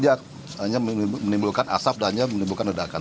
dia hanya menimbulkan asap dan menimbulkan ledakan